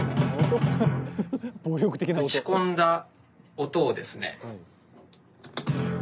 打ち込んだ音をですね。